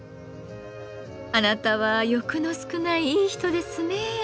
あなたは欲の少ないいい人ですね。